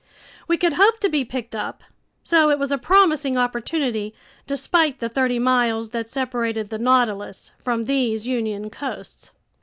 We could hope to be picked up. So it was a promising opportunity, despite the thirty miles that separated the Nautilus from these Union coasts.